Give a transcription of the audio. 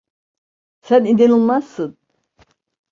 Sen inanılmazsın.